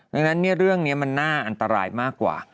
ดังนั้นเรื่องนี้มันน่าอันตรายมากกว่า